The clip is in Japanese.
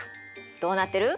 どうなってる？